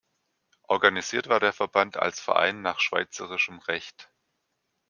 Organisiert war der Verband als Verein nach Schweizerischem Recht.